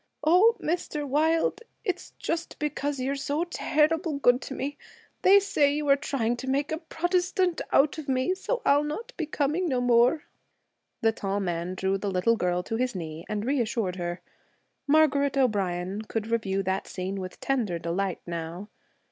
'Oh, Mr. Wilde, it's just because you're so terrible good to me. They say you are trying to make a Protestant out of me. So I'll not be coming no more.' The tall man drew the little girl to his knee and reassured her. Margaret O'Brien could review that scene with tender delight now.